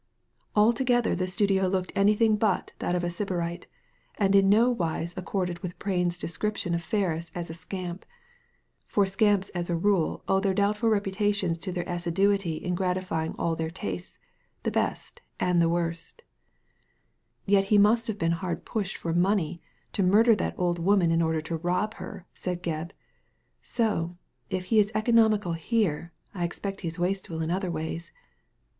Altogether the studio looked anything but that of a Sybarite, and in no wise accorded with Prain*s description of Ferris as a scamp, for scamps as a rule owe their doubtful reputations to their assiduity in gratifying all their tastes, the best and the worst * Yet he must have been hard pushed for money to murder that old woman in order to rob her," said Gebb. " So, if he is economical here, I expect he is wasteful in other ways.